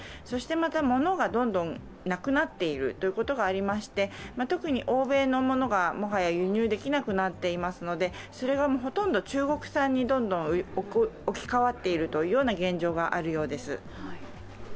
そしてまた、物がどんどんなくなっているということがありまして、特に欧米のものが、もはや輸入できなくなってますのでそれがほとんど中国産のどんどん置き換わっている現状があるようです。